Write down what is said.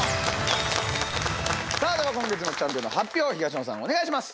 さあでは今月のチャンピオンの発表を東野さんお願いします。